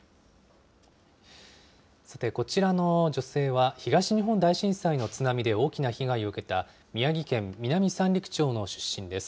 さてこちらの女性は、東日本大震災の津波で大きな被害を受けた宮城県南三陸町の出身です。